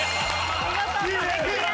見事壁クリアです。